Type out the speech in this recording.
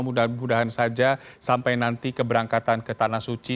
mudah mudahan saja sampai nanti keberangkatan ke tanah suci